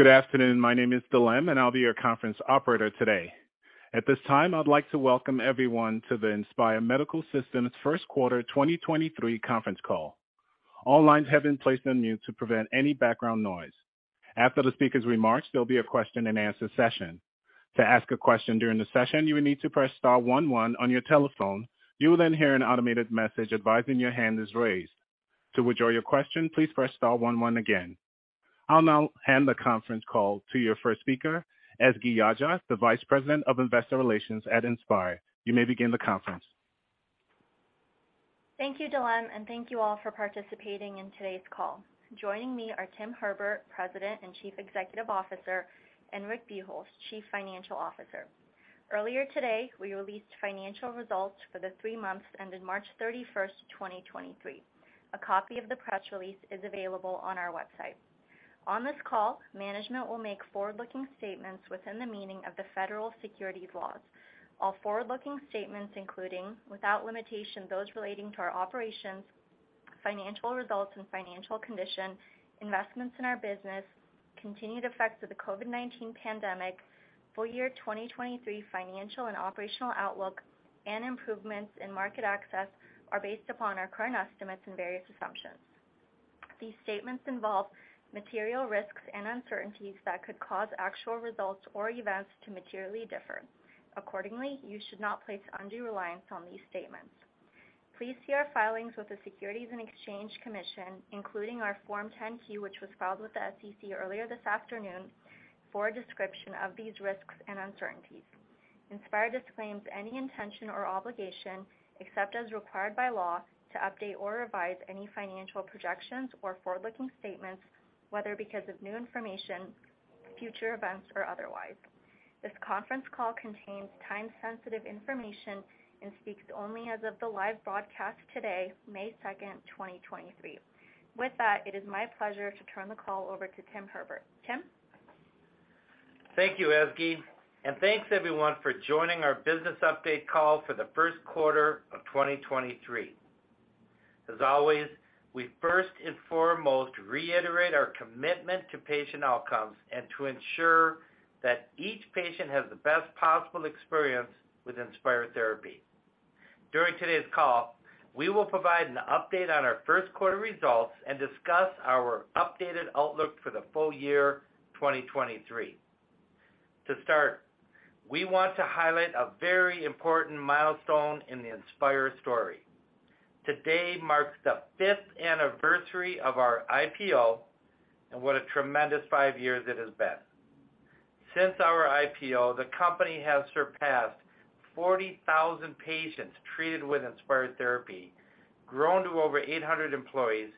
Good afternoon. My name is Dilem. I'll be your conference operator today. At this time, I'd like to welcome everyone to the Inspire Medical Systems first quarter 2023 conference call. All lines have been placed on mute to prevent any background noise. After the speaker's remarks, there'll be a question and answer session. To ask a question during the session, you will need to press star one one on your telephone. You will hear an automated message advising your hand is raised. To withdraw your question, please press star one one again. I'll now hand the conference call to your first speaker, Ezgi Yagci, the Vice President of Investor Relations at Inspire. You may begin the conference. Thank you, Dilem. Thank you all for participating in today's call. Joining me are Tim Herbert, President and Chief Executive Officer, and Rick Buchholz, Chief Financial Officer. Earlier today, we released financial results for the three months ended March 31st, 2023. A copy of the press release is available on our website. On this call, management will make forward-looking statements within the meaning of the Federal Securities laws. All forward-looking statements, including, without limitation, those relating to our operations, financial results, and financial condition, investments in our business, continued effects of the COVID-19 pandemic, full year 2023 financial and operational outlook, and improvements in market access are based upon our current estimates and various assumptions. These statements involve material risks and uncertainties that could cause actual results or events to materially differ. Accordingly, you should not place undue reliance on these statements. Please see our filings with the Securities and Exchange Commission, including our Form 10-Q, which was filed with the SEC earlier this afternoon for a description of these risks and uncertainties. Inspire disclaims any intention or obligation, except as required by law, to update or revise any financial projections or forward-looking statements, whether because of new information, future events, or otherwise. This conference call contains time-sensitive information and speaks only as of the live broadcast today, May 2nd, 2023. With that, it is my pleasure to turn the call over to Tim Herbert. Tim. Thank you, Ezgi, thanks everyone for joining our business update call for the first quarter of 2023. As always, we first and foremost reiterate our commitment to patient outcomes and to ensure that each patient has the best possible experience with Inspire therapy. During today's call, we will provide an update on our first quarter results and discuss our updated outlook for the full year 2023. To start, we want to highlight a very important milestone in the Inspire story. Today marks the fifth anniversary of our IPO, what a tremendous five years it has been. Since our IPO, the company has surpassed 40,000 patients treated with Inspire therapy, grown to over 800 employees,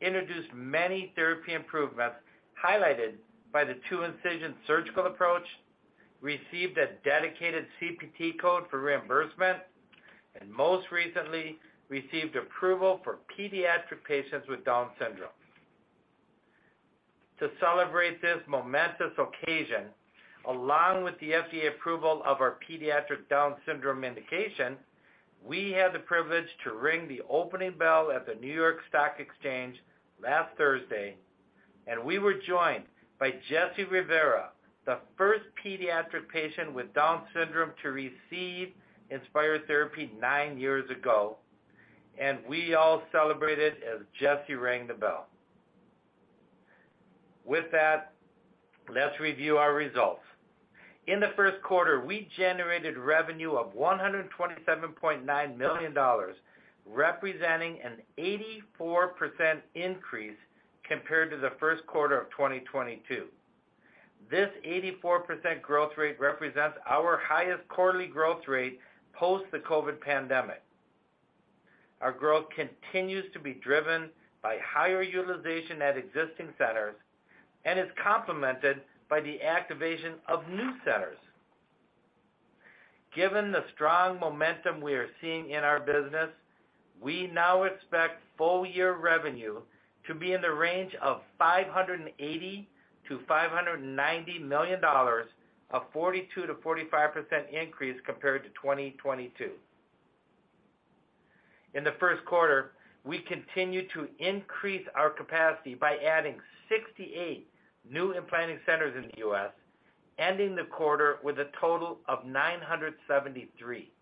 introduced many therapy improvements highlighted by the two incision surgical approach, received a dedicated CPT code for reimbursement, and most recently received approval for pediatric patients with Down syndrome. To celebrate this momentous occasion, along with the FDA approval of our pediatric Down syndrome indication, we had the privilege to ring the opening bell at the New York Stock Exchange last Thursday. We were joined by Jesse Rivera, the first pediatric patient with Down syndrome to receive Inspire therapy nine years ago. We all celebrated as Jesse rang the bell. With that, let's review our results. In the first quarter, we generated revenue of $127.9 million, representing an 84% increase compared to the first quarter of 2022. This 84% growth rate represents our highest quarterly growth rate post the COVID pandemic. Our growth continues to be driven by higher utilization at existing centers and is complemented by the activation of new centers. Given the strong momentum we are seeing in our business, we now expect full year revenue to be in the range of $580 million-$590 million, a 42%-45% increase compared to 2022. In the first quarter, we continued to increase our capacity by adding 68 new implanting centers in the U.S., ending the quarter with a total of 973.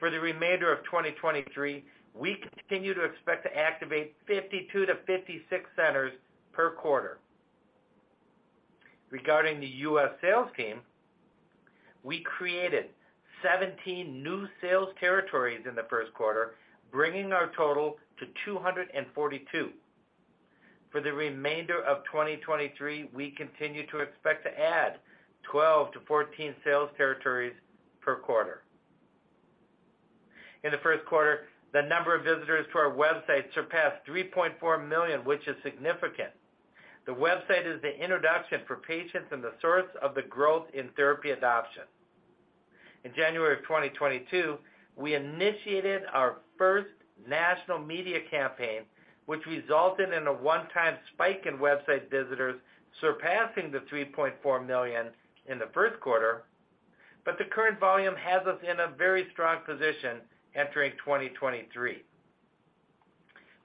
For the remainder of 2023, we continue to expect to activate 52 centers-56 centers per quarter. Regarding the U.S. sales team, we created 17 new sales territories in the first quarter, bringing our total to 242. For the remainder of 2023, we continue to expect to add 12-14 sales territories per quarter. In the first quarter, the number of visitors to our website surpassed 3.4 million, which is significant. The website is the introduction for patients and the source of the growth in therapy adoption. In January 2022, we initiated our first national media campaign, which resulted in a one-time spike in website visitors, surpassing the 3.4 million in the first quarter. The current volume has us in a very strong position entering 2023.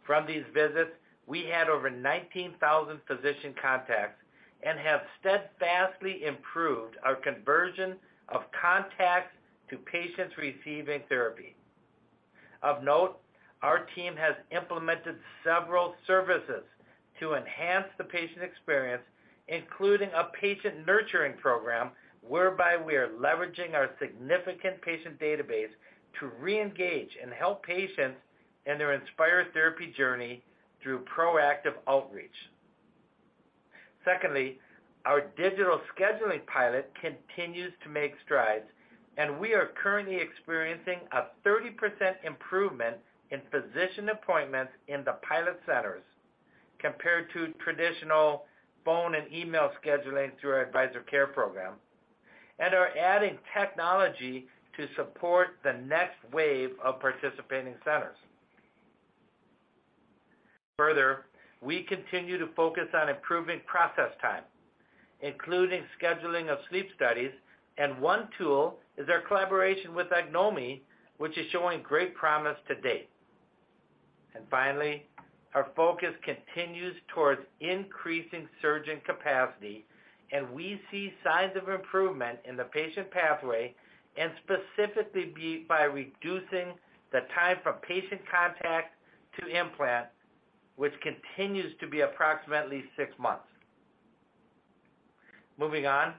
From these visits, we had over 19,000 physician contacts and have steadfastly improved our conversion of contacts to patients receiving therapy. Of note, our team has implemented several services to enhance the patient experience, including a patient nurturing program, whereby we are leveraging our significant patient database to re-engage and help patients in their Inspire therapy journey through proactive outreach. Secondly, our digital scheduling pilot continues to make strides. We are currently experiencing a 30% improvement in physician appointments in the pilot centers compared to traditional phone and email scheduling through our Advisory Care program. We are adding technology to support the next wave of participating centers. We continue to focus on improving process time, including scheduling of sleep studies, and one tool is our collaboration with Ognomy, which is showing great promise to date. Finally, our focus continues towards increasing surgeon capacity, and we see signs of improvement in the patient pathway and specifically by reducing the time from patient contact to implant, which continues to be approximately six months. Moving on,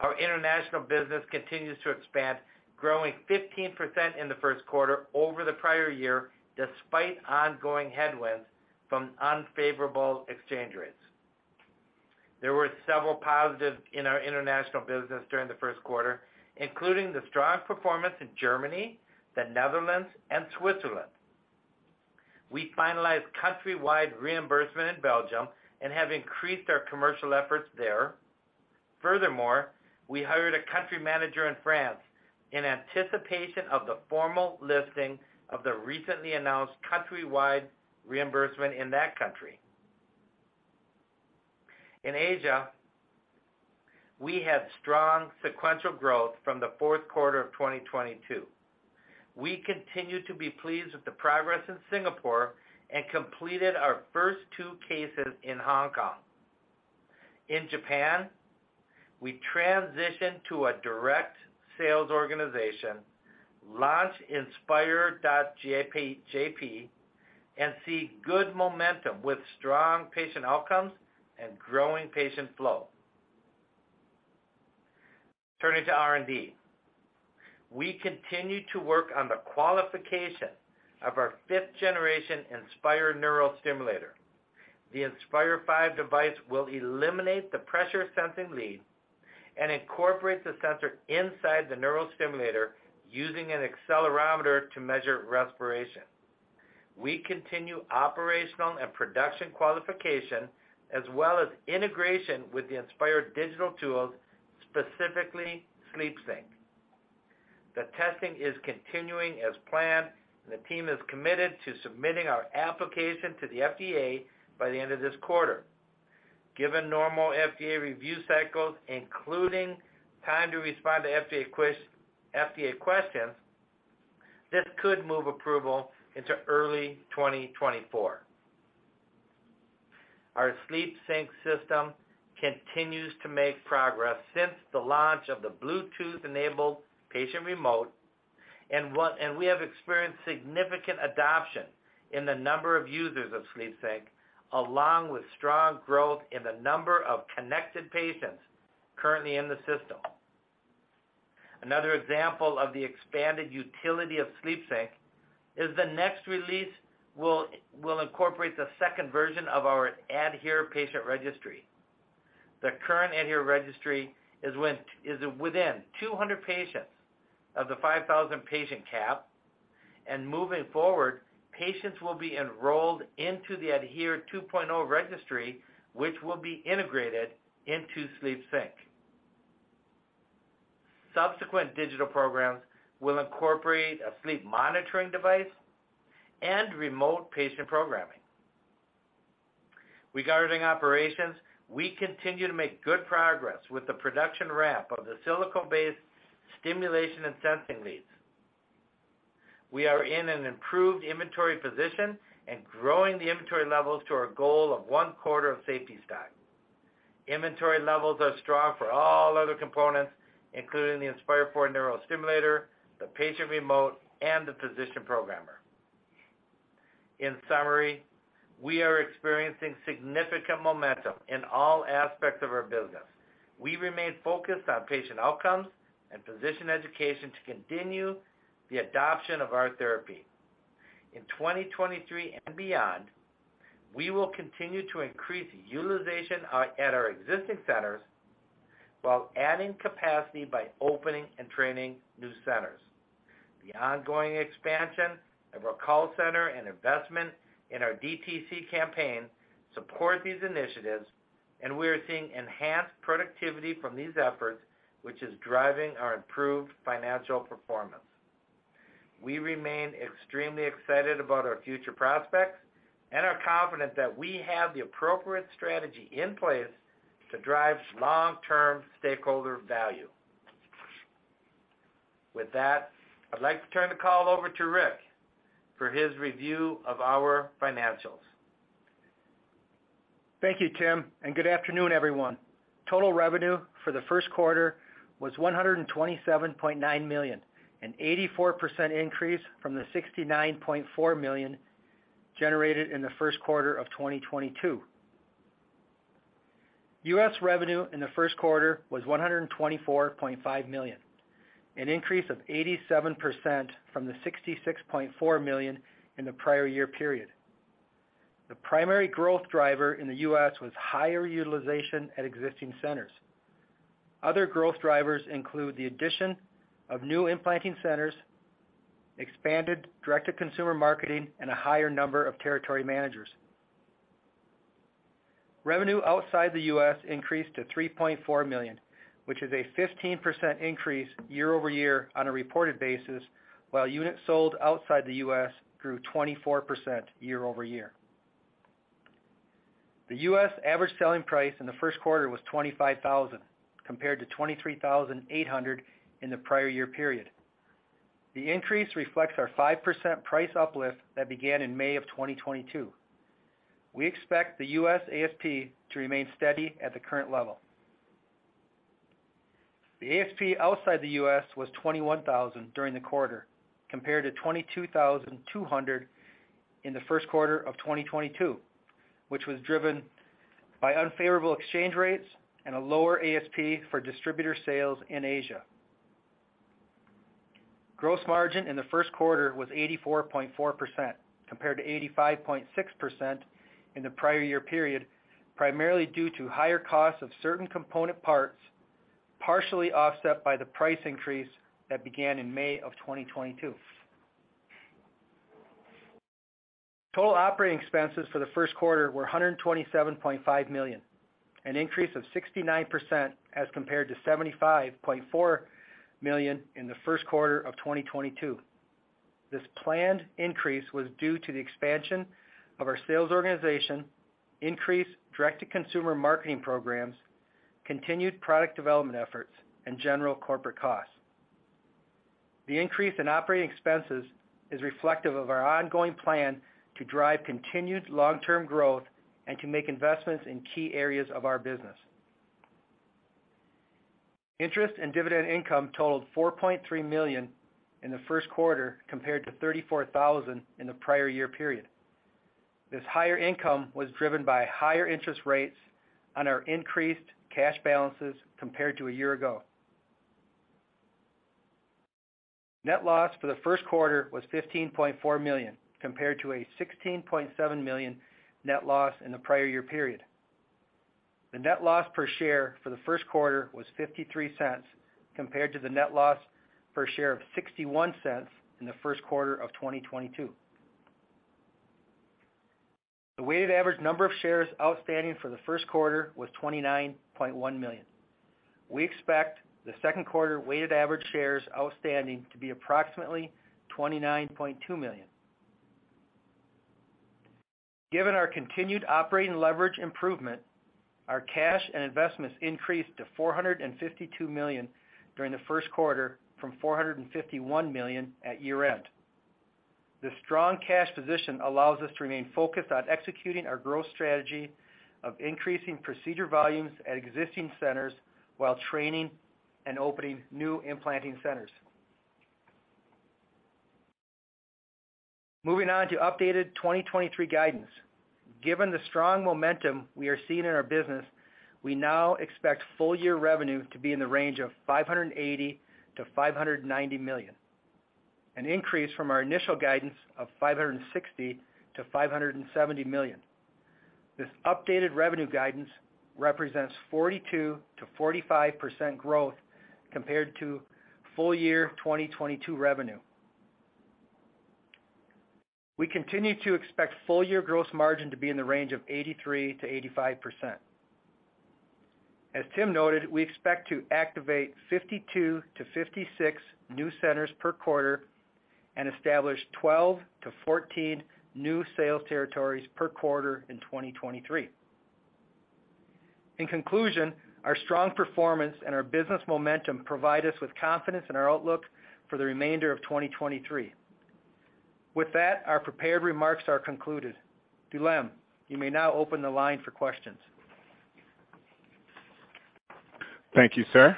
our international business continues to expand, growing 15% in the first quarter over the prior year, despite ongoing headwinds from unfavorable exchange rates. There were several positives in our international business during the first quarter, including the strong performance in Germany, the Netherlands, and Switzerland. We finalized countrywide reimbursement in Belgium and have increased our commercial efforts there. We hired a country manager in France in anticipation of the formal listing of the recently announced countrywide reimbursement in that country. In Asia, we had strong sequential growth from the fourth quarter of 2022. We continue to be pleased with the progress in Singapore and completed our first two cases in Hong Kong. In Japan, we transitioned to a direct sales organization, launched Inspire.jp, and see good momentum with strong patient outcomes and growing patient flow. Turning to R&D, we continue to work on the qualification of our 5th generation Inspire neurostimulator. The Inspire V device will eliminate the pressure-sensing lead and incorporate the sensor inside the neurostimulator using an accelerometer to measure respiration. We continue operational and production qualification as well as integration with the Inspire digital tools, specifically SleepSync. The testing is continuing as planned, and the team is committed to submitting our application to the FDA by the end of this quarter. Given normal FDA review cycles, including time to respond to FDA questions, this could move approval into early 2024. Our SleepSync system continues to make progress since the launch of the Bluetooth-enabled patient remote, and we have experienced significant adoption in the number of users of SleepSync, along with strong growth in the number of connected patients currently in the system. Another example of the expanded utility of SleepSync is the next release will incorporate the second version of our ADHERE patient registry. The current ADHERE registry is within 200 patients of the 5,000 patient cap. Moving forward, patients will be enrolled into the ADHERE 2.0 registry, which will be integrated into SleepSync. Subsequent digital programs will incorporate a sleep monitoring device and remote patient programming. Regarding operations, we continue to make good progress with the production ramp of the silicone-based stimulation and sensing leads. We are in an improved inventory position and growing the inventory levels to our goal of Q1 of safety stock. Inventory levels are strong for all other components, including the Inspire IV neurostimulator, the patient remote, and the physician programmer. In summary, we are experiencing significant momentum in all aspects of our business. We remain focused on patient outcomes and physician education to continue the adoption of our therapy. In 2023 and beyond, we will continue to increase utilization at our existing centers while adding capacity by opening and training new centers. The ongoing expansion of our call center and investment in our DTC campaign support these initiatives, and we are seeing enhanced productivity from these efforts, which is driving our improved financial performance. We remain extremely excited about our future prospects and are confident that we have the appropriate strategy in place to drive long-term stakeholder value. With that, I'd like to turn the call over to Rick for his review of our financials. Thank you, Tim. Good afternoon, everyone. Total revenue for the first quarter was $127.9 million, an 84% increase from the $69.4 million generated in the first quarter of 2022. U.S. revenue in the first quarter was $124.5 million, an increase of 87% from the $66.4 million in the prior year period. The primary growth driver in the U.S. was higher utilization at existing centers. Other growth drivers include the addition of new implanting centers, expanded direct-to-consumer marketing, and a higher number of territory managers. Revenue outside the U.S. increased to $3.4 million, which is a 15% increase year-over-year on a reported basis, while units sold outside the U.S. grew 24% year-over-year. The U.S. average selling price in the first quarter was $25,000, compared to $23,800 in the prior year period. The increase reflects our 5% price uplift that began in May of 2022. We expect the U.S. ASP to remain steady at the current level. The ASP outside the U.S. was $21,000 during the quarter, compared to $22,200 in the first quarter of 2022, which was driven by unfavorable exchange rates and a lower ASP for distributor sales in Asia. Gross margin in the first quarter was 84.4%, compared to 85.6% in the prior year period, primarily due to higher costs of certain component parts, partially offset by the price increase that began in May of 2022. Total operating expenses for the first quarter were $127.5 million, an increase of 69% as compared to $75.4 million in the first quarter of 2022. This planned increase was due to the expansion of our sales organization, increased direct-to-consumer marketing programs, continued product development efforts, and general corporate costs. The increase in operating expenses is reflective of our ongoing plan to drive continued long-term growth and to make investments in key areas of our business. Interest and dividend income totaled $4.3 million in the first quarter compared to $34,000 in the prior year period. This higher income was driven by higher interest rates on our increased cash balances compared to a year ago. Net loss for the first quarter was $15.4 million compared to a $16.7 million net loss in the prior year period. The net loss per share for the first quarter was $0.53 compared to the net loss per share of $0.61 in the first quarter of 2022. The weighted average number of shares outstanding for the first quarter was 29.1 million. We expect the second quarter weighted average shares outstanding to be approximately 29.2 million. Given our continued operating leverage improvement, our cash and investments increased to $452 million during the first quarter from $451 million at year-end. This strong cash position allows us to remain focused on executing our growth strategy of increasing procedure volumes at existing centers while training and opening new implanting centers. Moving on to updated 2023 guidance. Given the strong momentum we are seeing in our business, we now expect full year revenue to be in the range of $580 million-$590 million, an increase from our initial guidance of $560 million-$570 million. This updated revenue guidance represents 42%-45% growth compared to full year 2022 revenue. We continue to expect full-year gross margin to be in the range of 83%-85%. As Tim noted, we expect to activate 52-56 new centers per quarter and establish 12-14 new sales territories per quarter in 2023. In conclusion, our strong performance and our business momentum provide us with confidence in our outlook for the remainder of 2023. With that, our prepared remarks are concluded. Dilem, you may now open the line for questions. Thank you, sir.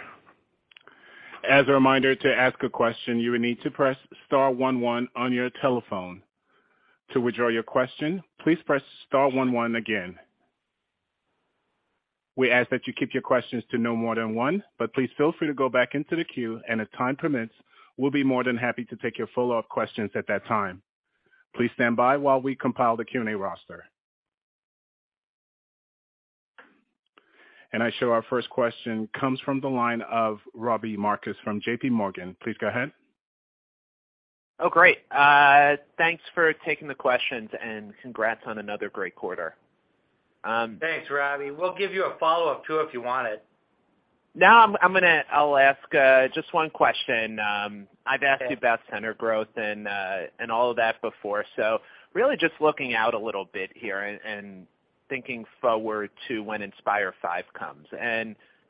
As a reminder to ask a question, you will need to press star one one on your telephone. To withdraw your question, please press star one one again. We ask that you keep your questions to no more than one, but please feel free to go back into the queue, and if time permits, we'll be more than happy to take your follow-up questions at that time. Please stand by while we compile the Q&A roster. I show our first question comes from the line of Robbie Marcus from J.P. Morgan. Please go ahead. Oh, great. Thanks for taking the questions, congrats on another great quarter. Thanks, Robbie. We'll give you a follow-up too, if you want it. No, I'm, I'll ask just one question. I've asked you about center growth and all of that before. really just looking out a little bit here. Thinking forward to when Inspire V comes.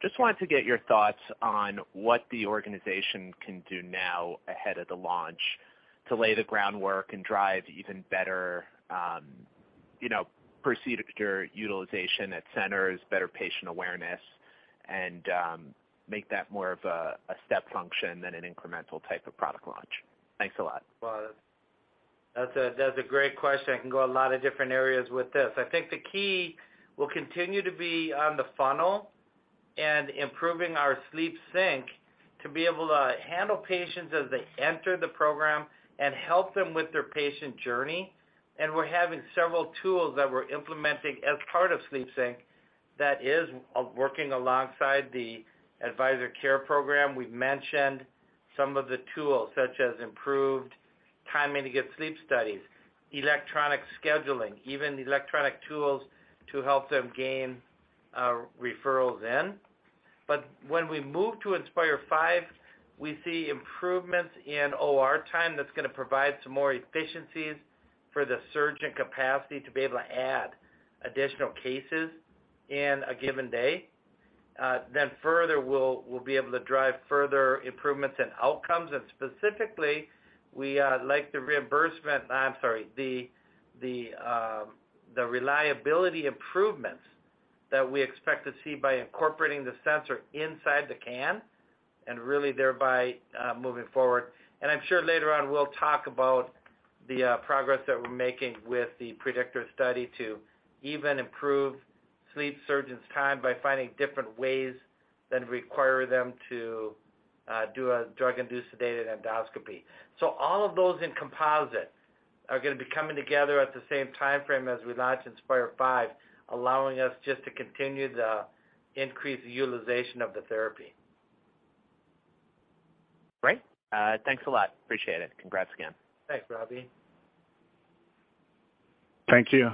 Just wanted to get your thoughts on what the organization can do now ahead of the launch to lay the groundwork and drive even better, you know, procedure utilization at centers, better patient awareness, and, make that more of a step function than an incremental type of product launch. Thanks a lot. Well, that's a great question. I can go a lot of different areas with this. I think the key will continue to be on the funnel and improving our SleepSync to be able to handle patients as they enter the program and help them with their patient journey. We're having several tools that we're implementing as part of SleepSync that is working alongside the Advisor Care program. We've mentioned some of the tools, such as improved timing to get sleep studies, electronic scheduling, even electronic tools to help them gain referrals in. When we move to Inspire V, we see improvements in OR time that's gonna provide some more efficiencies for the surgeon capacity to be able to add additional cases in a given day. Further, we'll be able to drive further improvements in outcomes. Specifically, we like the reimbursement... I'm sorry, the reliability improvements that we expect to see by incorporating the sensor inside the can and really thereby moving forward. I'm sure later on we'll talk about the progress that we're making with the PREDICTOR study to even improve sleep surgeons' time by finding different ways than require them to do a drug-induced sleep endoscopy. All of those in composite are gonna be coming together at the same timeframe as we launch Inspire V, allowing us just to continue the increased utilization of the therapy. Great. thanks a lot. Appreciate it. Congrats again. Thanks, Robbie. Thank you.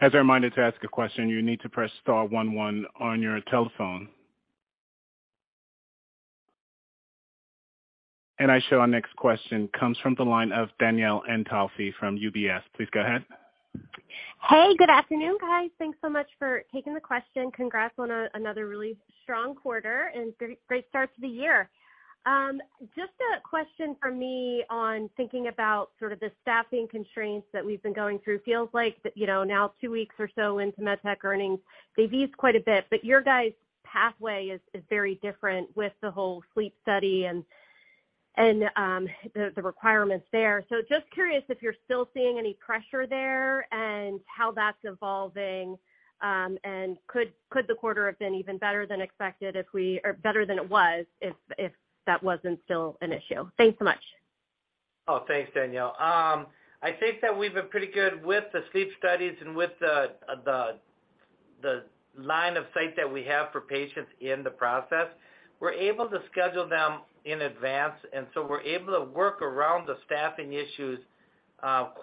As a reminder to ask a question, you need to press star one one on your telephone. I show our next question comes from the line of Danielle Antalffy from UBS. Please go ahead. Hey, good afternoon, guys. Thanks so much for taking the question. Congrats on another really strong quarter and great start to the year. Just a question from me on thinking about sort of the staffing constraints that we've been going through. Feels like that, you know, now two weeks or so into med tech earnings, they've eased quite a bit. Your guys' pathway is very different with the whole sleep study and the requirements there. Just curious if you're still seeing any pressure there and how that's evolving, and could the quarter have been even better than expected or better than it was if that wasn't still an issue? Thanks so much. Oh, thanks, Danielle. I think that we've been pretty good with the sleep studies and with the line of sight that we have for patients in the process. We're able to schedule them in advance, we're able to work around the staffing issues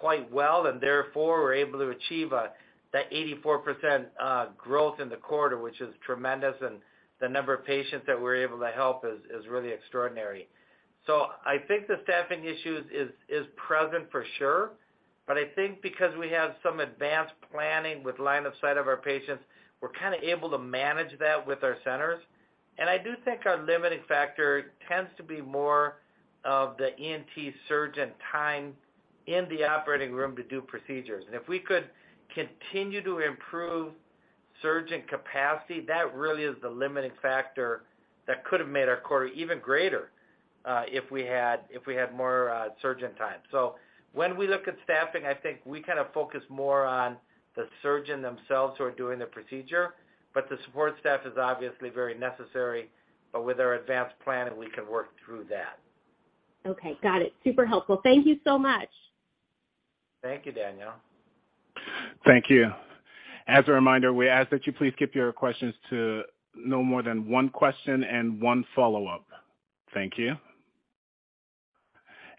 quite well, and therefore, we're able to achieve that 84% growth in the quarter, which is tremendous. The number of patients that we're able to help is really extraordinary. I think the staffing issues is present for sure. I think because we have some advanced planning with line of sight of our patients, we're kind of able to manage that with our centers. I do think our limiting factor tends to be more of the ENT surgeon time in the operating room to do procedures. If we could continue to improve surgeon capacity, that really is the limiting factor that could have made our quarter even greater, if we had more surgeon time. When we look at staffing, I think we kind of focus more on the surgeon themselves who are doing the procedure, but the support staff is obviously very necessary. With our advanced planning, we can work through that. Okay. Got it. Super helpful. Thank you so much. Thank you, Danielle. Thank you. As a reminder, we ask that you please keep your questions to no more than one question and one follow-up. Thank you.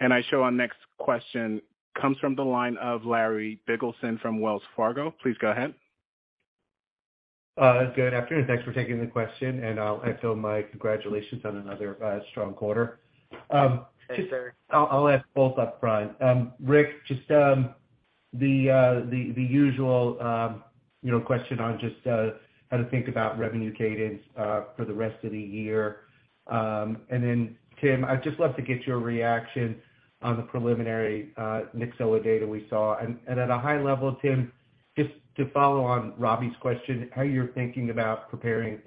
I show our next question comes from the line of Larry Biegelsen from Wells Fargo. Please go ahead. Good afternoon. Thanks for taking the question, and I'll echo my congratulations on another strong quarter. Hey, Larry. I'll ask both up front. Rick, just, the usual, you know, question on just how to think about revenue cadence for the rest of the year. Then Tim, I'd just love to get your reaction on the preliminary Nyxoah data we saw. At a high level, Tim, just to follow on Robbie's question, how you're thinking about preparing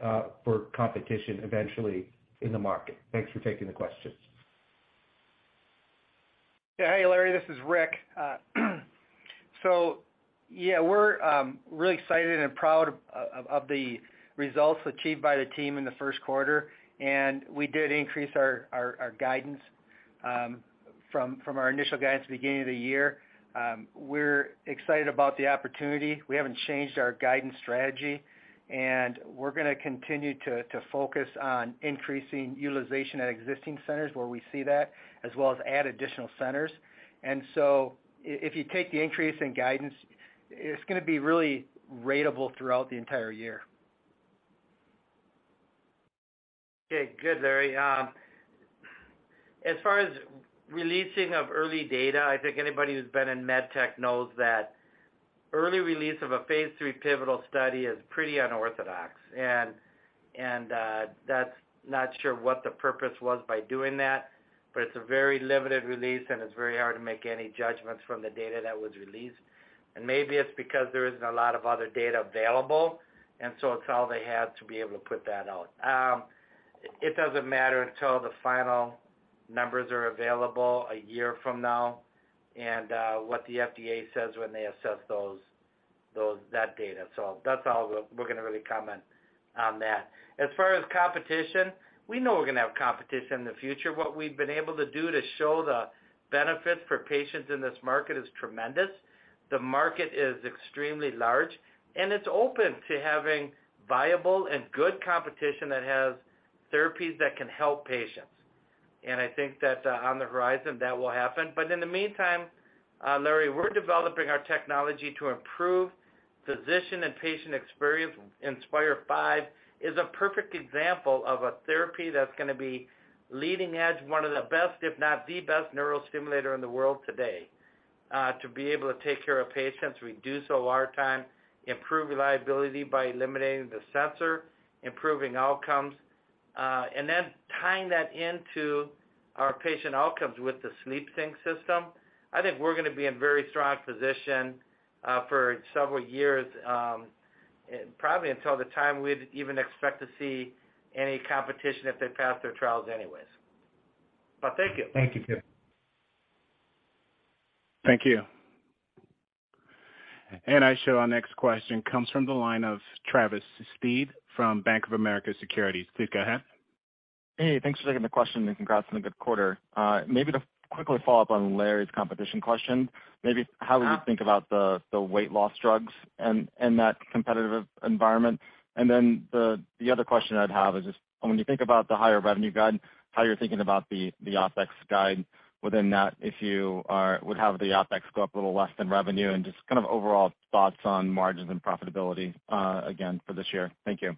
for competition eventually in the market. Thanks for taking the questions. Hey, Larry, this is Rick. Yeah, we're really excited and proud of the results achieved by the team in the first quarter. We did increase our guidance from our initial guidance at the beginning of the year. We're excited about the opportunity. We haven't changed our guidance strategy. We're gonna continue to focus on increasing utilization at existing centers where we see that, as well as add additional centers. If you take the increase in guidance, it's gonna be really ratable throughout the entire year. Okay, good, Larry. As far as releasing of early data, I think anybody who's been in Med Tech knows that early release of a phase III pivotal study is pretty unorthodox. Not sure what the purpose was by doing that, but it's a very limited release, and it's very hard to make any judgments from the data that was released. Maybe it's because there isn't a lot of other data available, and so it's all they had to be able to put that out. It doesn't matter until the final numbers are available a year from now and what the FDA says when they assess those, that data. That's all we're gonna really comment on that. As far as competition, we know we're gonna have competition in the future. What we've been able to do to show the benefits for patients in this market is tremendous. The market is extremely large, and it's open to having viable and good competition that has therapies that can help patients. I think that on the horizon that will happen. In the meantime, Larry, we're developing our technology to improve physician and patient experience. Inspire V is a perfect example of a therapy that's gonna be leading edge, one of the best, if not the best neurostimulator in the world today, to be able to take care of patients, reduce OR time, improve reliability by eliminating the sensor, improving outcomes, and then tying that into our patient outcomes with the SleepSync system. I think we're gonna be in very strong position, for several years, probably until the time we'd even expect to see any competition if they pass their trials anyways. Thank you. Thank you, Tim. Thank you. I show our next question comes from the line of Travis Steed from Bank of America Securities. Please go ahead. Hey, thanks for taking the question. Congrats on a good quarter. To quickly follow up on Larry's competition question, how would you think about the weight loss drugs and that competitive environment? The other question I'd have is just when you think about the higher revenue guide, how you're thinking about the OpEx guide within that, if you would have the OpEx go up a little less than revenue, and just kind of overall thoughts on margins and profitability again for this year. Thank you.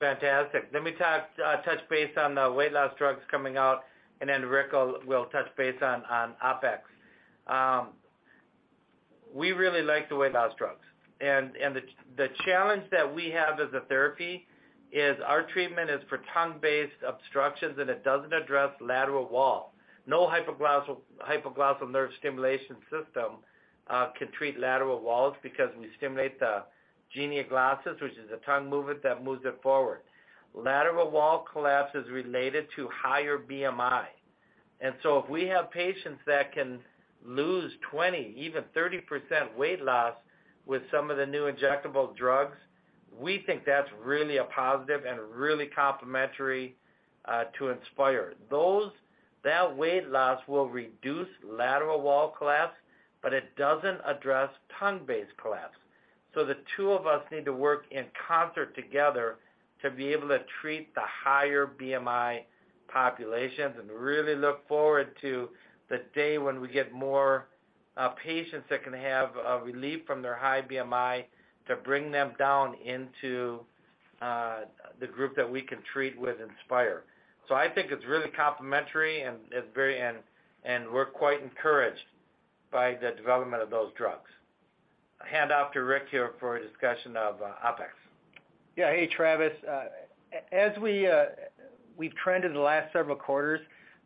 Fantastic. Let me touch base on the weight loss drugs coming out, then Rick will touch base on OpEx. We really like the weight loss drugs. The challenge that we have as a therapy is our treatment is for tongue-based obstructions, and it doesn't address lateral wall. No hypoglossal nerve stimulation system can treat lateral walls because we stimulate the genioglossus, which is a tongue movement that moves it forward. Lateral wall collapse is related to higher BMI. If we have patients that can lose 20%, even 30% weight loss with some of the new injectable drugs, we think that's really a positive and really complementary to Inspire. That weight loss will reduce lateral wall collapse, but it doesn't address tongue-based collapse. The two of us need to work in concert together to be able to treat the higher BMI populations and really look forward to the day when we get more patients that can have relief from their high BMI to bring them down into the group that we can treat with Inspire. I think it's really complementary, and it's very. We're quite encouraged by the development of those drugs. I hand off to Rick here for a discussion of OpEx. Hey, Travis. As we've trended the last several quarters,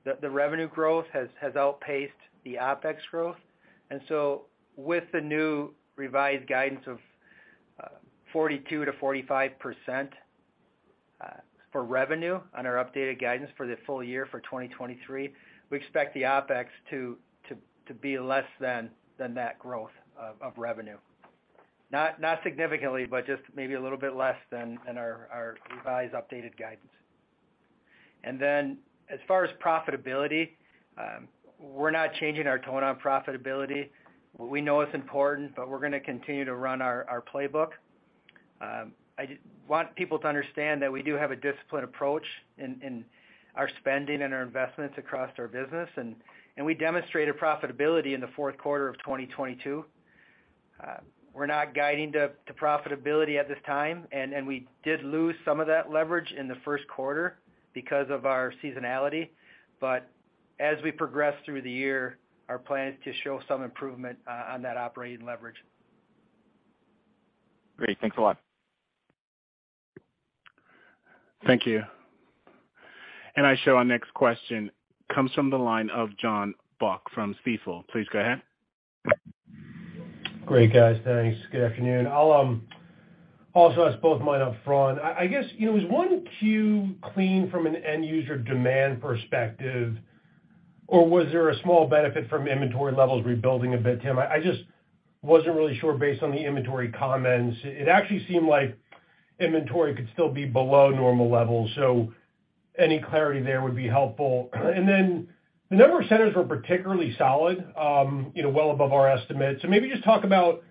the revenue growth has outpaced the OpEx growth. With the new revised guidance of 42% to 45% for revenue on our updated guidance for the full year for 2023, we expect the OpEx to be less than that growth of revenue. Not significantly, but just maybe a little bit less than our revised updated guidance. As far as profitability, we're not changing our tone on profitability. We know it's important, but we're gonna continue to run our playbook. I just want people to understand that we do have a disciplined approach in our spending and our investments across our business. We demonstrated profitability in the fourth quarter of 2022. We're not guiding to profitability at this time, and we did lose some of that leverage in the first quarter because of our seasonality. As we progress through the year, our plan is to show some improvement, on that operating leverage. Great. Thanks a lot. Thank you. I show our next question comes from the line of Jon Block from Stifel. Please go ahead. Great, guys. Thanks. Good afternoon. I'll also ask both Mike up front. I guess, you know, was Q1 clean from an end user demand perspective, or was there a small benefit from inventory levels rebuilding a bit, Tim? I just wasn't really sure based on the inventory comments. It actually seemed like inventory could still be below normal levels. Any clarity there would be helpful. The number of centers were particularly solid, you know, well above our estimates. Maybe just talk about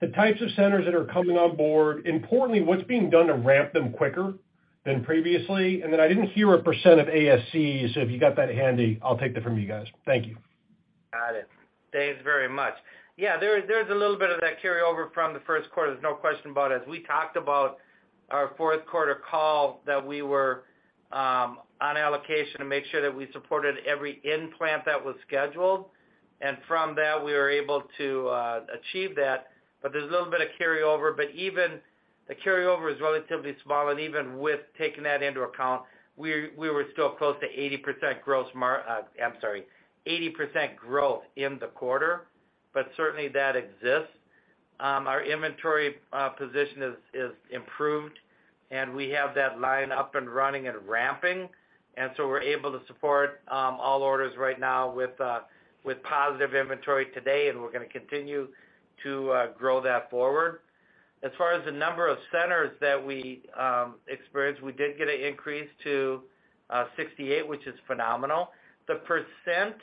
the types of centers that are coming on board, importantly, what's being done to ramp them quicker than previously. I didn't hear a percent of ASCs, so if you got that handy, I'll take that from you guys. Thank you. Thanks very much. Yeah, there's a little bit of that carryover from the first quarter, there's no question about it. As we talked about our fourth quarter call that we were on allocation to make sure that we supported every implant that was scheduled. From that, we were able to achieve that. There's a little bit of carryover, but even the carryover is relatively small. Even with taking that into account, we were still close to 80% gross, I'm sorry, 80% growth in the quarter, but certainly that exists. Our inventory position is improved, and we have that line up and running and ramping. So we're able to support all orders right now with positive inventory today, and we're gonna continue to grow that forward. As far as the number of centers that we experienced, we did get an increase to 68, which is phenomenal. The percent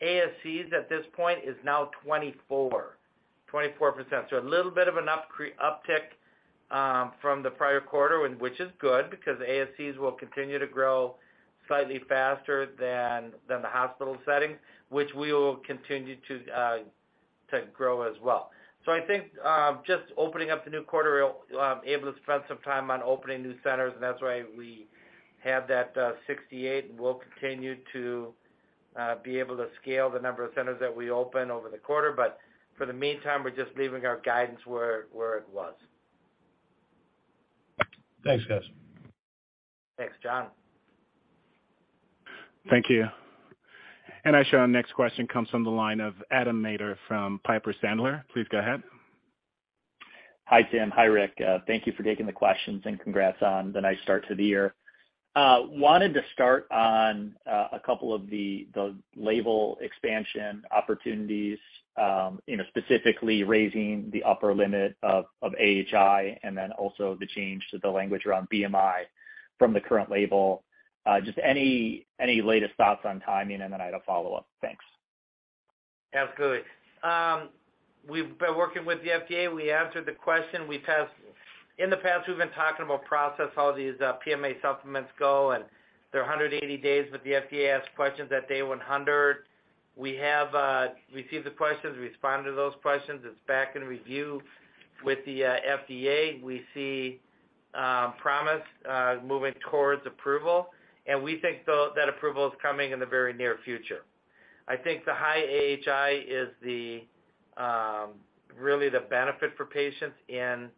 ASCs at this point is now 24%. A little bit of an uptick from the prior quarter, which is good because ASCs will continue to grow slightly faster than the hospital setting, which we will continue to grow as well. I think, just opening up the new quarter, we're able to spend some time on opening new centers, and that's why we have that 68. We'll continue to be able to scale the number of centers that we open over the quarter. For the meantime, we're just leaving our guidance where it was. Thanks, guys. Thanks, Jon. Thank you. Our shown next question comes from the line of Adam Maeder from Piper Sandler. Please go ahead. Hi, Tim. Hi, Rick. Thank you for taking the questions. Congrats on the nice start to the year. Wanted to start on a couple of the label expansion opportunities, you know, specifically raising the upper limit of AHI and then also the change to the language around BMI from the current label. Just any latest thoughts on timing, and then I had a follow-up. Thanks. Absolutely. We've been working with the FDA. We answered the question. In the past, we've been talking about process, how these PMA supplements go, and they're 180 days, but the FDA asks questions at day 100. We have received the questions, responded to those questions. It's back in review with the FDA. We see promise moving towards approval, and we think that approval is coming in the very near future. I think the high AHI is the really the benefit for patients in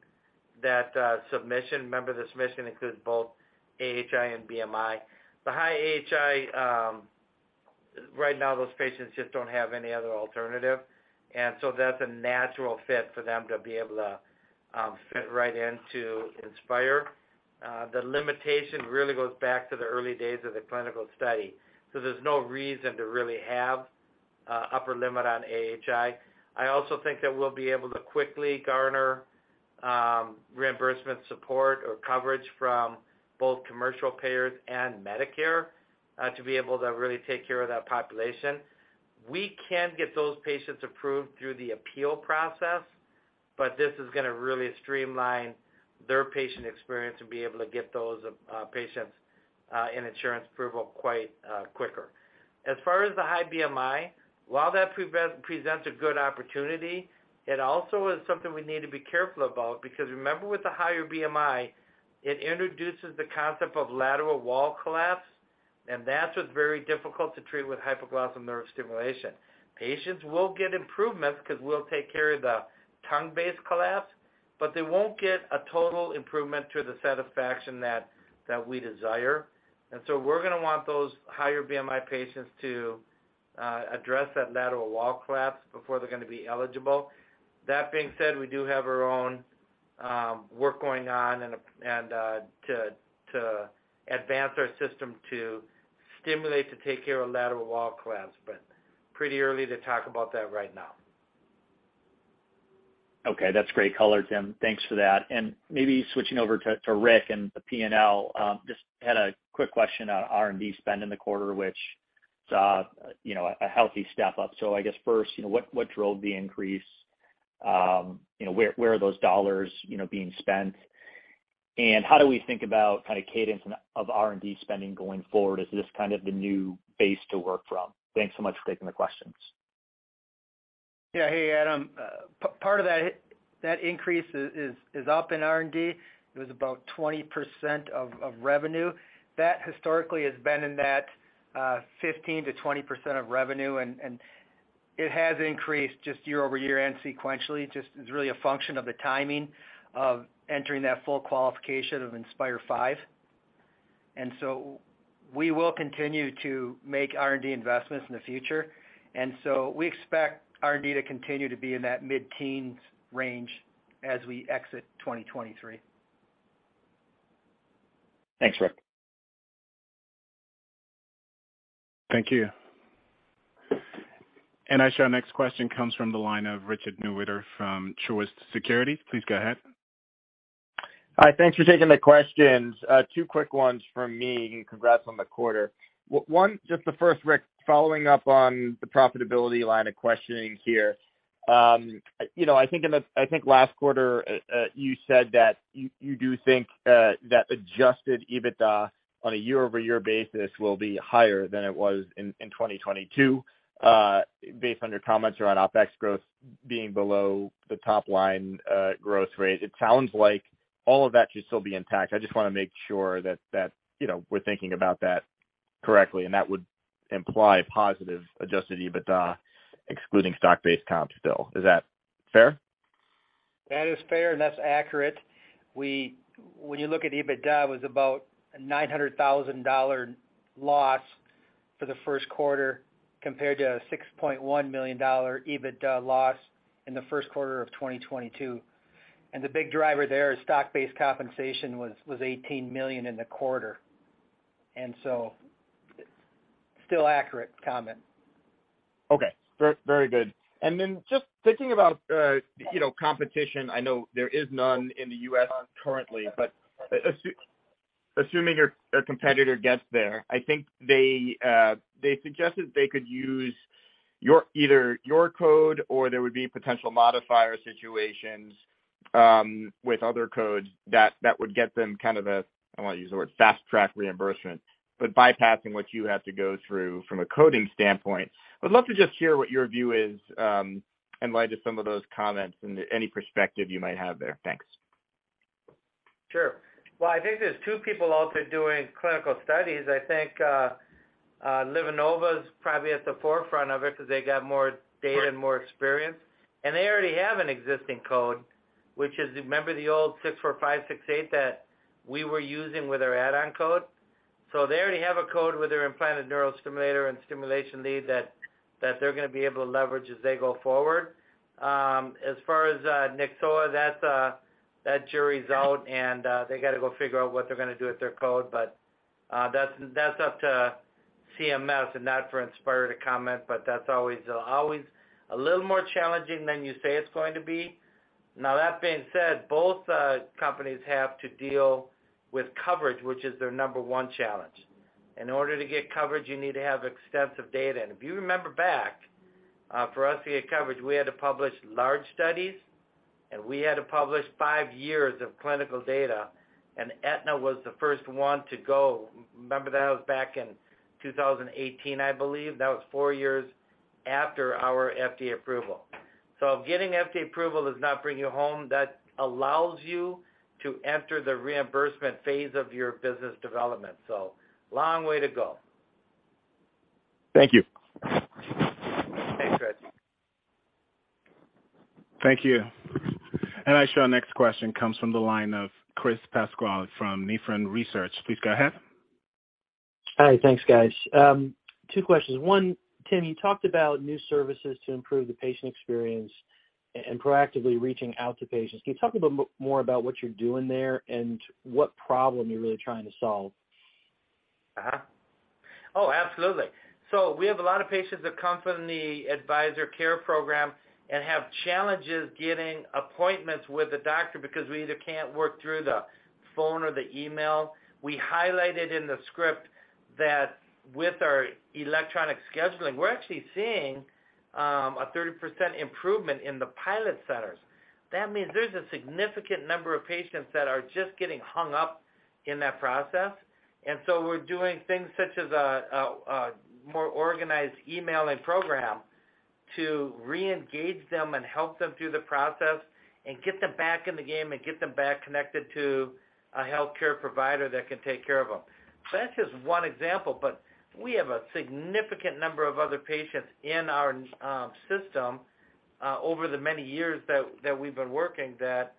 that submission. Remember, the submission includes both AHI and BMI. The high AHI, right now those patients just don't have any other alternative. That's a natural fit for them to be able to fit right into Inspire. The limitation really goes back to the early days of the clinical study. There's no reason to really have a upper limit on AHI. I also think that we'll be able to quickly garner reimbursement support or coverage from both commercial payers and medicare to be able to really take care of that population. We can get those patients approved through the appeal process, but this is gonna really streamline their patient experience and be able to get those patients an insurance approval quite quicker. As far as the high BMI, while that presents a good opportunity, it also is something we need to be careful about because remember with the higher BMI, it introduces the concept of lateral wall collapse, and that's what's very difficult to treat with hypoglossal nerve stimulation. Patients will get improvements because we'll take care of the tongue-based collapse, but they won't get a total improvement to the satisfaction that we desire. We're gonna want those higher BMI patients to address that lateral wall collapse before they're gonna be eligible. That being said, we do have our own work going on and to advance our system to stimulate to take care of lateral wall collapse, but pretty early to talk about that right now. Okay, that's great color, Tim. Thanks for that. Maybe switching over to Rick and the P&L, just had a quick question on R&D spend in the quarter, which saw, you know, a healthy step up. I guess first, you know, what drove the increase? You know, where are those dollars, you know, being spent? How do we think about kind of cadence of R&D spending going forward? Is this kind of the new base to work from? Thanks so much for taking the questions. Yeah. Hey, Adam. Part of that increase is up in R&D. It was about 20% of revenue. Historically has been in that 15%-20% of revenue, and it has increased just year-over-year and sequentially. Just it's really a function of the timing of entering that full qualification of Inspire V. We will continue to make R&D investments in the future. We expect R&D to continue to be in that mid-teens range as we exit 2023. Thanks, Rick. Thank you. Our shown next question comes from the line of Richard Newitter from Truist Securities. Please go ahead. Hi. Thanks for taking the questions. Two quick ones from me, and congrats on the quarter. One, just the first, Rick, following up on the profitability line of questioning here. You know, I think last quarter, you said that you do think that adjusted EBITDA on a year-over-year basis will be higher than it was in 2022, based on your comments around OpEx growth being below the top line, growth rate. It sounds like all of that should still be intact. I just wanna make sure that, you know, we're thinking about that correctly, and that would imply positive adjusted EBITDA excluding stock-based comps still. Is that fair? That is fair, and that's accurate. When you look at EBITDA, it was about a $900,000 loss for the first quarter compared to a $6.1 million EBITDA loss in the first quarter of 2022. The big driver there is stock-based compensation was $18 million in the quarter. Still accurate comment. Very, very good. Just thinking about, you know, competition. I know there is none in the U.S. currently, but assuming a competitor gets there, I think they suggested they could use either your code or there would be potential modifier situations with other codes that would get them kind of a, I don't wanna use the word fast-track reimbursement, but bypassing what you have to go through from a coding standpoint. I would love to just hear what your view is in light of some of those comments and any perspective you might have there. Thanks. Sure. Well, I think there's two people out there doing clinical studies. I think, LivaNova probably at the forefront of it 'cause they got more data and more experience. They already have an existing code, which is, remember the old 64568 that we were using with our add-on code? They already have a code with their implanted neurostimulator and stimulation lead that they're gonna be able to leverage as they go forward. As far as Nyxoah, that jury's out, and they gotta go figure out what they're gonna do with their code. That's up to CMS and not for Inspire to comment, but that's always a little more challenging than you say it's going to be. That being said, both companies have to deal with coverage, which is their number one challenge. In order to get coverage, you need to have extensive data. If you remember back, for us to get coverage, we had to publish large studies, and we had to publish five years of clinical data, and Aetna was the first one to go. Remember that was back in 2018, I believe. That was four years after our FDA approval. Getting FDA approval does not bring you home. That allows you to enter the reimbursement phase of your business development. Long way to go. Thank you. Thanks, Rich. Thank you. Our next question comes from the line of Chris Pasquale from Nephron Research. Please go ahead. Hi. Thanks, guys. Two questions. One, Tim, you talked about new services to improve the patient experience and proactively reaching out to patients. Can you talk a bit more about what you're doing there and what problem you're really trying to solve? Absolutely. We have a lot of patients that come from the Advisory Care program and have challenges getting appointments with the doctor because we either can't work through the phone or the email. We highlighted in the script that with our electronic scheduling, we're actually seeing a 30% improvement in the pilot centers. That means there's a significant number of patients that are just getting hung up in that process. We're doing things such as a more organized emailing program to reengage them and help them through the process and get them back in the game and get them back connected to a healthcare provider that can take care of them. That's just one example. We have a significant number of other patients in our system, over the many years that we've been working that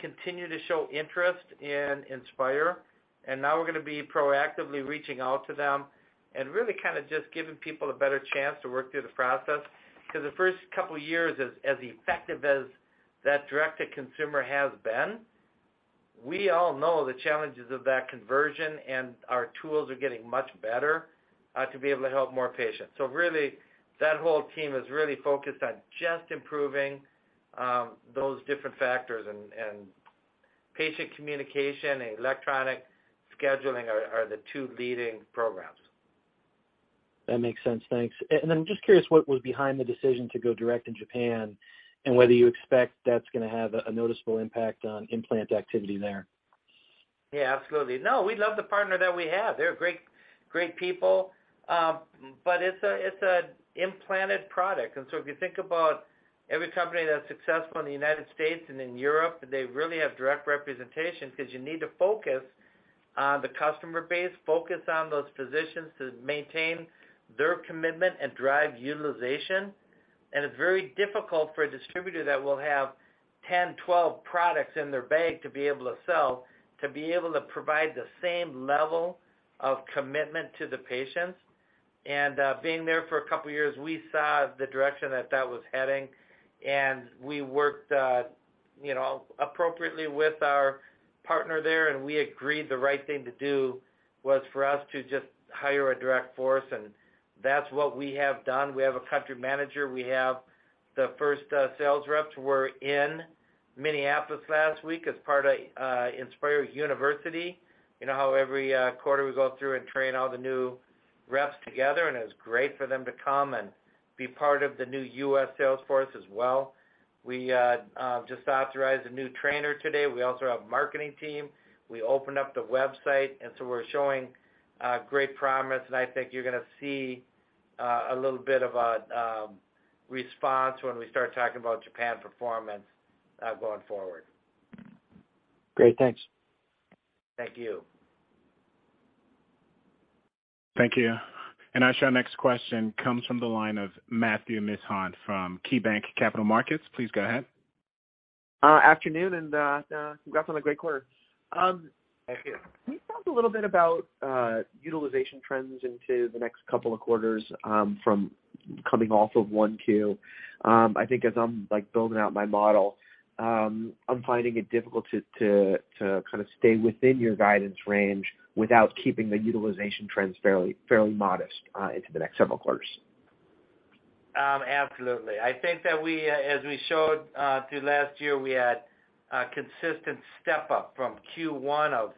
continue to show interest in Inspire. Now we're gonna be proactively reaching out to them and really kinda just giving people a better chance to work through the process. 'Cause the first couple of years, as effective as that direct-to-consumer has been, we all know the challenges of that conversion, and our tools are getting much better to be able to help more patients. Really, that whole team is really focused on just improving those different factors, and patient communication and electronic scheduling are the two leading programs. That makes sense. Thanks. I'm just curious what was behind the decision to go direct in Japan and whether you expect that's gonna have a noticeable impact on implant activity there? Yeah, absolutely. No, we love the partner that we have. They're great people. It's a, it's an implanted product. If you think about every company that's successful in the United States and in Europe, they really have direct representation because you need to focus on the customer base, focus on those physicians to maintain their commitment and drive utilization. It's very difficult for a distributor that will have 10, 12 products in their bag to be able to sell, to be able to provide the same level of commitment to the patients. Being there for two years, we saw the direction that that was heading, and we worked, you know, appropriately with our partner there, and we agreed the right thing to do was for us to just hire a direct force, and that's what we have done. We have a country manager. We have the first sales reps. We're in Minneapolis last week as part of Inspire University. You know how every quarter we go through and train all the new reps together, it was great for them to come and be part of the new U.S. sales force as well. We just authorized a new trainer today. We also have a marketing team. We opened up the website, we're showing great promise, I think you're gonna see a little bit of a response when we start talking about Japan performance going forward. Great. Thanks. Thank you. Thank you. I show our next question comes from the line of Matthew Mishan from KeyBanc Capital Markets. Please go ahead. Afternoon, congrats on the great quarter. Thank you. Can you talk a little bit about utilization trends into the next couple of quarters from coming off of Q1? I think as I'm, like, building out my model, I'm finding it difficult to kind of stay within your guidance range without keeping the utilization trends fairly modest into the next several quarters. Absolutely. I think that we, as we showed, through last year, we had a consistent step up from Q1 of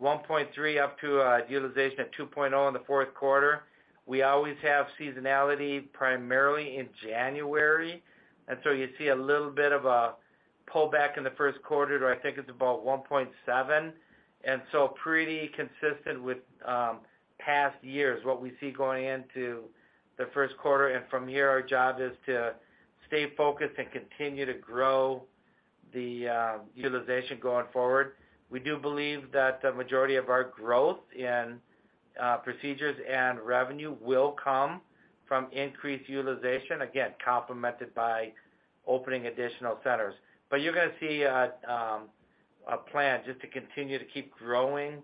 1.3 up to utilization of 2.0 in the fourth quarter. We always have seasonality primarily in January, and so you see a little bit of a pullback in the first quarter to I think it's about 1.7. From here, our job is to stay focused and continue to grow the utilization going forward. We do believe that the majority of our growth in procedures and revenue will come from increased utilization, again complemented by opening additional centers. You're gonna see a plan just to continue to keep growing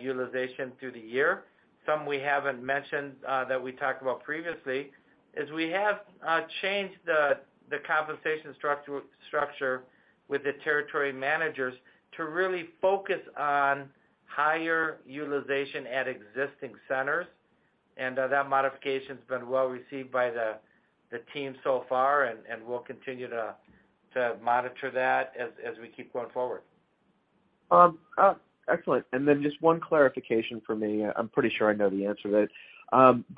utilization through the year. Some we haven't mentioned, that we talked about previously, is we have changed the compensation structure with the territory managers to really focus on higher utilization at existing centers. That modification's been well received by the team so far, and we'll continue to monitor that as we keep going forward. Excellent. Just one clarification for me. I'm pretty sure I know the answer to it.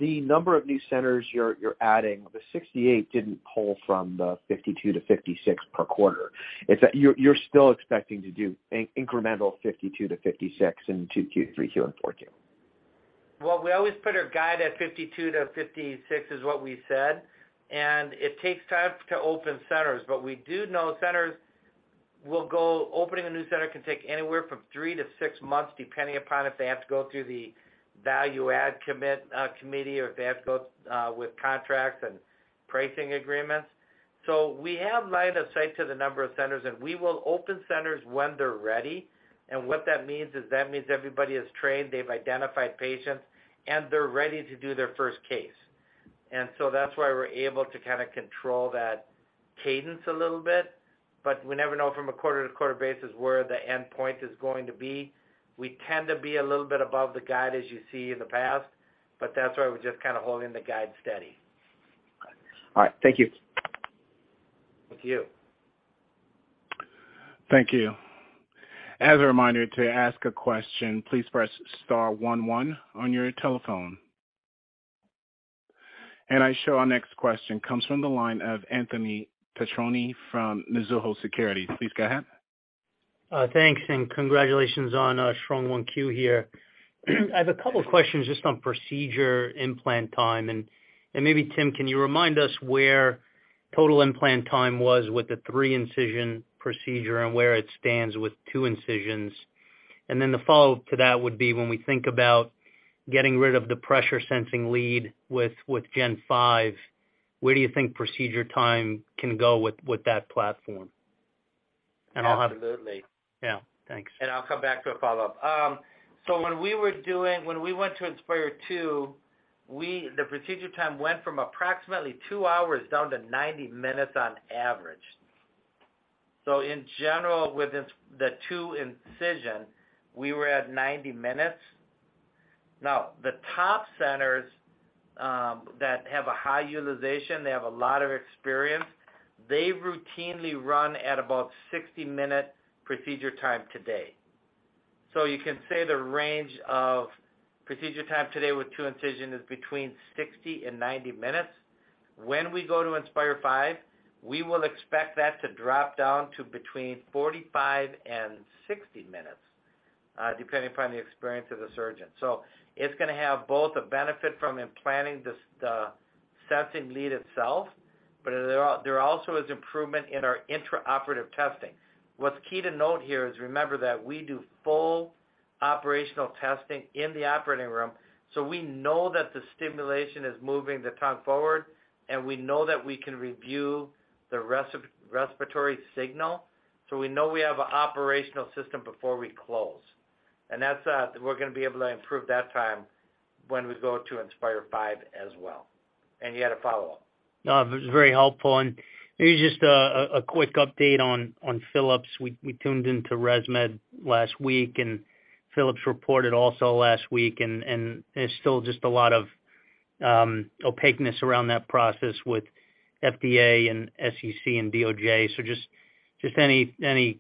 The number of new centers you're adding, the 68 didn't pull from the 52-56 per quarter. It's that you're still expecting to do incremental 52-56 in Q2, Q3, and Q4. Well, we always put our guide at 52 to 56, is what we said. It takes time to open centers, but we do know centers. Opening a new center can take anywhere from three to six months, depending upon if they have to go through the value add committee or if they have to go with contracts and pricing agreements. We have line of sight to the number of centers, and we will open centers when they're ready. What that means is that means everybody is trained, they've identified patients, and they're ready to do their first case. That's why we're able to kind of control that cadence a little bit, but we never know from a quarter-to-quarter basis where the endpoint is going to be. We tend to be a little bit above the guide, as you see in the past. That's why we're just kind of holding the guide steady. All right. Thank you. Thank you. Thank you. As a reminder, to ask a question, please press star one one on your telephone. I show our next question comes from the line of Anthony Petrone from Mizuho Securities. Please go ahead. Thanks, and congratulations on a strong Q1 here. I have a couple of questions just on procedure implant time. Maybe Tim, can you remind us where total implant time was with the three incision procedure and where it stands with two incisions? The follow-up to that would be when we think about getting rid of the pressure sensing lead with 5th generation, where do you think procedure time can go with that platform? Absolutely. Yeah. Thanks. I'll come back to a follow-up. When we went to Inspire II, the procedure time went from approximately two hours down to 90 minutes on average. In general, with this, the two incision, we were at 90 minutes. The top centers that have a high utilization, they have a lot of experience, they routinely run at about 60-minute procedure time today. You can say the range of procedure time today with two incision is between 60 and 90 minutes. When we go to Inspire V, we will expect that to drop down to between 45 and 60 minutes, depending upon the experience of the surgeon. It's gonna have both a benefit from implanting the sensing lead itself, but there also is improvement in our intraoperative testing. What's key to note here is remember that we do full operational testing in the operating room, so we know that the stimulation is moving the tongue forward, and we know that we can review the respiratory signal. We know we have an operational system before we close. That's, we're gonna be able to improve that time when we go to Inspire V as well. You had a follow-up. No, it was very helpful. maybe just a quick update on Philips. We tuned into Resmed last week, and Philips reported also last week, and there's still just a lot of opaqueness around that process with FDA and SEC and DOJ. just any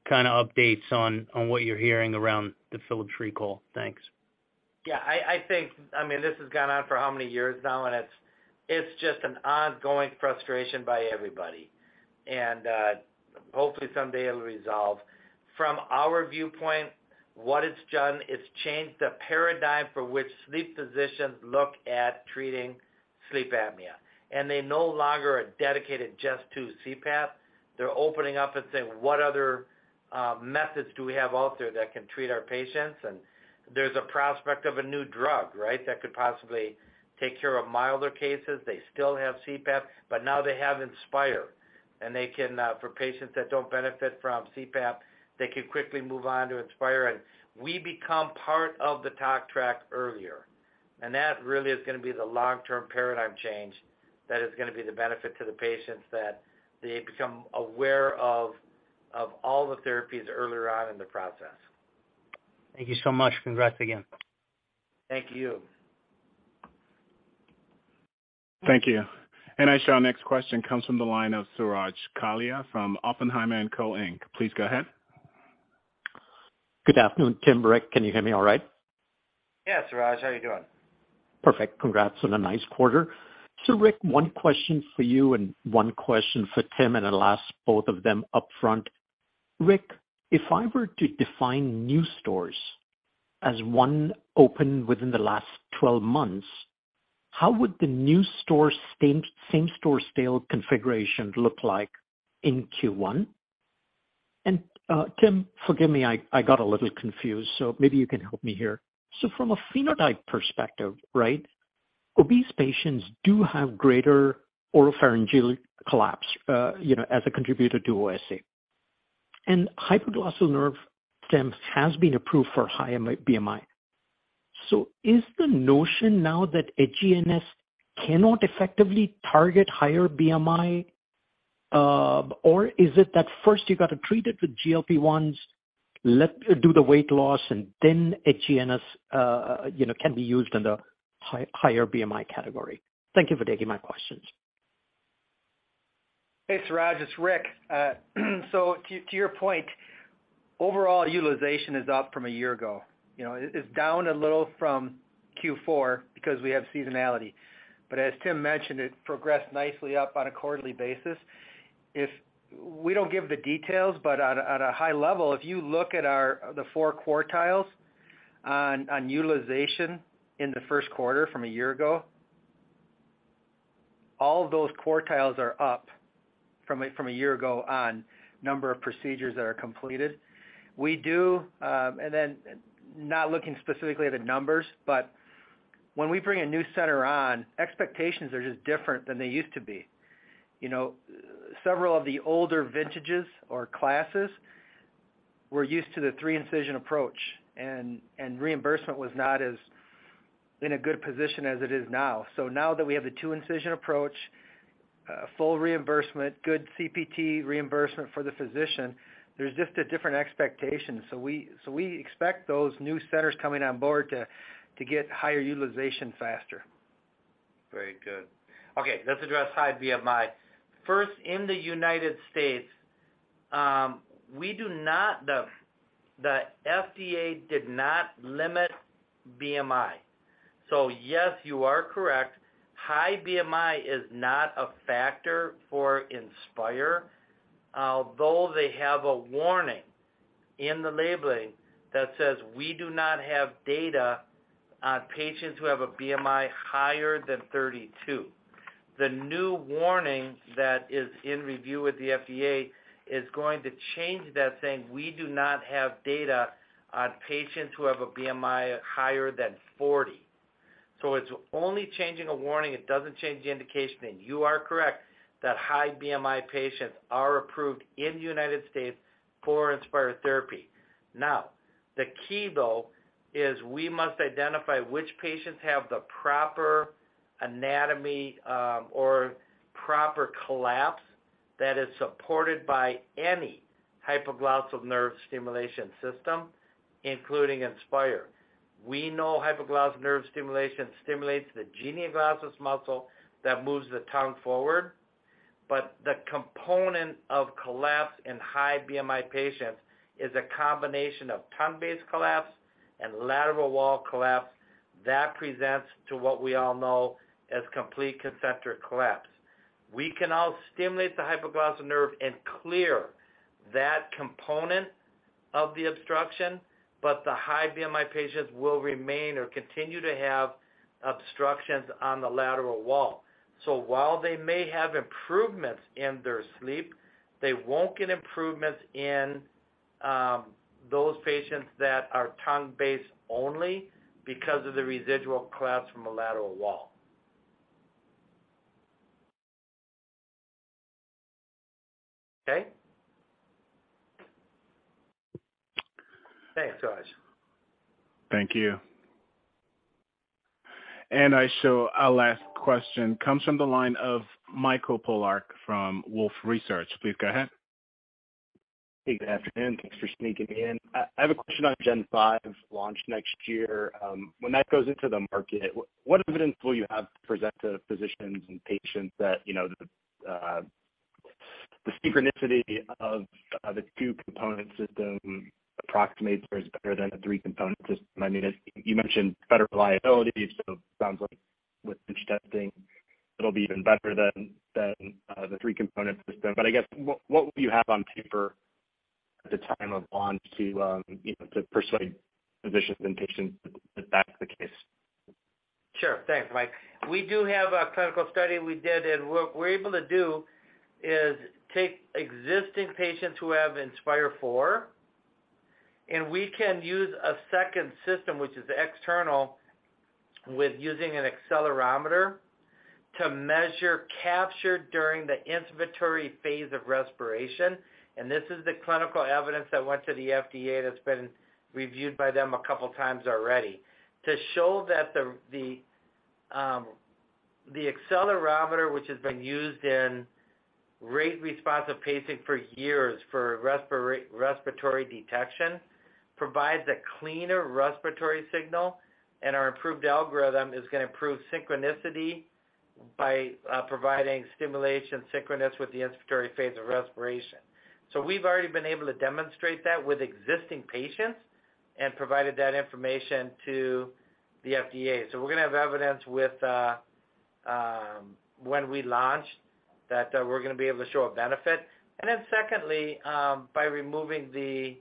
kind of updates on what you're hearing around the Philips recall? Thanks. I mean, this has gone on for how many years now, and it's just an ongoing frustration by everybody. Hopefully someday it'll resolve. From our viewpoint, what it's done is changed the paradigm for which sleep physicians look at treating sleep apnea. They no longer are dedicated just to CPAP. They're opening up and saying, "What other methods do we have out there that can treat our patients?" There's a prospect of a new drug, right? That could possibly take care of milder cases. They still have CPAP, but now they have Inspire. They can, for patients that don't benefit from CPAP, they could quickly move on to Inspire. We become part of the talk track earlier. That really is gonna be the long-term paradigm change that is gonna be the benefit to the patients that they become aware of all the therapies earlier on in the process. Thank you so much. Congrats again. Thank you. Thank you. Our next question comes from the line of Suraj Kalia from Oppenheimer & Co. Inc. Please go ahead. Good afternoon, Tim, Rick. Can you hear me all right? Yes, Suraj. How are you doing? Perfect. Congrats on a nice quarter. Rick, one question for you and one question for Tim, and I'll ask both of them up front. Rick, if I were to define new stores as one opened within the last 12 months, how would the new store same-store sales configuration look like in Q1? Tim, forgive me, I got a little confused, so maybe you can help me here. From a phenotype perspective, right, obese patients do have greater oropharyngeal collapse, you know, as a contributor to OSA. Hypoglossal nerve stim has been approved for high BMI. Is the notion now that HGNS cannot effectively target higher BMI, or is it that first you got to treat it with GLP 1, do the weight loss, and then HGNS, you know, can be used in the higher BMI category? Thank you for taking my questions. Hey, Suraj Kalia. It's Rick Buchholz. So to your point, overall utilization is up from a year ago. You know, it's down a little from Q4 because we have seasonality. As Tim Herbert mentioned, it progressed nicely up on a quarterly basis. We don't give the details, but at a high level, if you look at our the four quartiles on utilization in the first quarter from a year ago, all those quartiles are up from a year ago on number of procedures that are completed. We do. Not looking specifically at the numbers, but when we bring a new center on, expectations are just different than they used to be. You know, several of the older vintages or classes were used to the three-incision approach, and reimbursement was not as in a good position as it is now. Now that we have the two-incision approach, full reimbursement, good CPT reimbursement for the physician, there's just a different expectation. We expect those new centers coming on board to get higher utilization faster. Very good. Okay, let's address high BMI. First, in the United States, we do not. The FDA did not limit BMI. Yes, you are correct, high BMI is not a factor for Inspire, although they have a warning in the labeling that says, "We do not have data on patients who have a BMI higher than 32." The new warning that is in review with the FDA is going to change that saying, "We do not have data on patients who have a BMI higher than 40." It's only changing a warning. It doesn't change the indication. You are correct that high BMI patients are approved in the United States for Inspire therapy. The key, though, is we must identify which patients have the proper anatomy, or proper collapse that is supported by any hypoglossal nerve stimulation system, including Inspire. We know hypoglossal nerve stimulation stimulates the genioglossus muscle that moves the tongue forward, but the component of collapse in high BMI patients is a combination of tongue-based collapse and lateral wall collapse that presents to what we all know as complete concentric collapse. We can now stimulate the hypoglossal nerve and clear that component of the obstruction, but the high BMI patients will remain or continue to have obstructions on the lateral wall. While they may have improvements in their sleep, they won't get improvements in those patients that are tongue-based only because of the residual collapse from the lateral wall. Okay? Thanks, Suraj. Thank you. I show our last question comes from the line of Michael Polark from Wolfe Research. Please go ahead. Hey, good afternoon. Thanks for sneaking me in. I have a question on 5th generation launch next year. When that goes into the market, what evidence will you have to present to physicians and patients that, you know, the synchronicity of the two-component system approximates or is better than a three-component system? I mean, as you mentioned, better reliability, so it sounds like with bench testing it'll be even better than the three-component system. I guess what will you have on paper at the time of launch to, you know, to persuade physicians and patients that that's the case? Sure. Thanks, Mike. We do have a clinical study we did. What we're able to do is take existing patients who have Inspire IV, and we can use a second system, which is external, with using an accelerometer to measure capture during the inspiratory phase of respiration. This is the clinical evidence that went to the FDA that's been reviewed by them 2x already, to show that the accelerometer, which has been used in rate-responsive pacing for years for respiratory detection, provides a cleaner respiratory signal, and our improved algorithm is gonna improve synchronicity by providing stimulation synchronous with the inspiratory phase of respiration. We've already been able to demonstrate that with existing patients and provided that information to the FDA. We're gonna have evidence with when we launch that we're gonna be able to show a benefit. Secondly, by removing the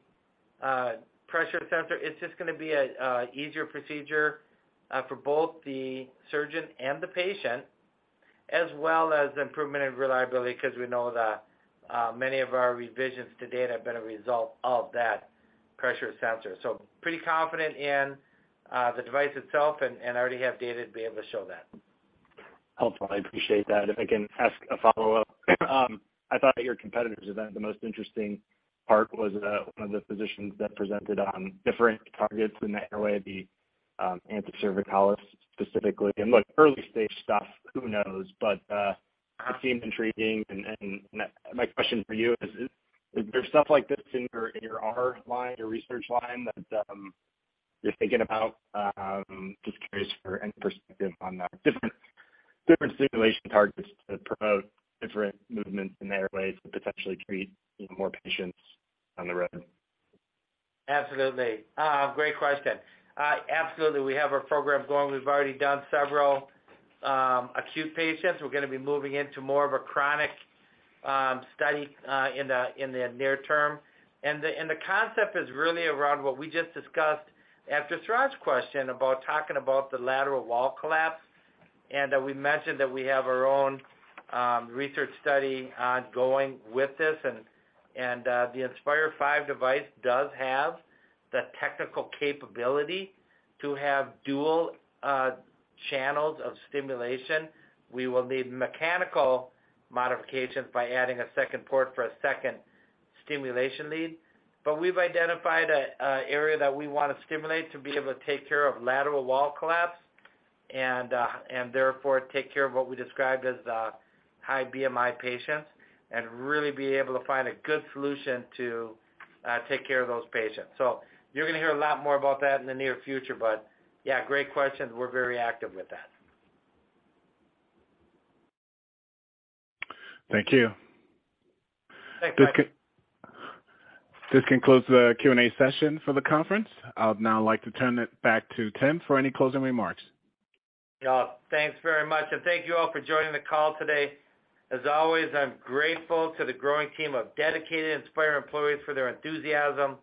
pressure sensor, it's just gonna be a easier procedure for both the surgeon and the patient, as well as improvement in reliability, 'cause we know that many of our revisions to date have been a result of that pressure sensor. Pretty confident in the device itself and already have data to be able to show that. Helpful. I appreciate that. If I can ask a follow-up. I thought at your competitor's event, the most interesting part was, one of the physicians that presented on different targets in the airway, the ansa cervicalis specifically. Look, early-stage stuff, who knows? It seemed intriguing and my question for you is there stuff like this in your, in your R line, your research line, that you're thinking about? Just curious for any perspective on the different stimulation targets to promote different movements in the airways to potentially treat even more patients on the road. Absolutely. Great question. Absolutely, we have our program going. We've already done several acute patients. We're gonna be moving into more of a chronic study in the near term. The concept is really around what we just discussed after Suraj's question about talking about the lateral wall collapse and that we mentioned that we have our own research study ongoing with this. The Inspire V device does have the technical capability to have dual channels of stimulation. We will need mechanical modifications by adding a second port for a second stimulation lead. We've identified a area that we wanna stimulate to be able to take care of lateral wall collapse and therefore take care of what we described as high BMI patients and really be able to find a good solution to take care of those patients. You're gonna hear a lot more about that in the near future. Yeah, great question. We're very active with that. Thank you. Thanks, Mike. This concludes the Q&A session for the conference. I would now like to turn it back to Tim for any closing remarks. Thanks very much, and thank you all for joining the call today. As always, I'm grateful to the growing team of dedicated Inspire employees for their enthusiasm,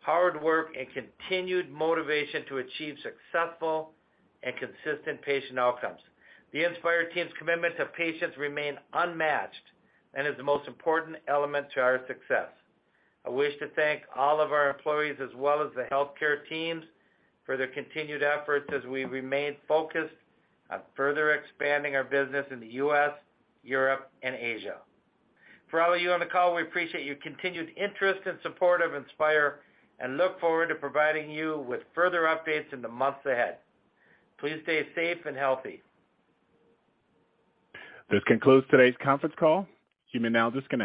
hard work, and continued motivation to achieve successful and consistent patient outcomes. The Inspire team's commitment to patients remain unmatched and is the most important element to our success. I wish to thank all of our employees as well as the healthcare teams for their continued efforts as we remain focused on further expanding our business in the U.S., Europe, and Asia. For all of you on the call, we appreciate your continued interest and support of Inspire and look forward to providing you with further updates in the months ahead. Please stay safe and healthy. This concludes today's conference call. You may now disconnect.